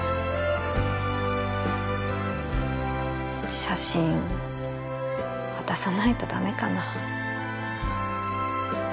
写真渡さないとダメかな？